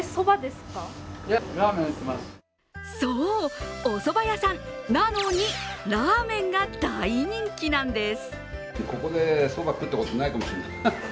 そう、おそば屋さんな・の・に、ラーメンが大人気なんです。